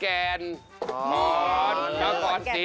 เสาคำยันอาวุธิ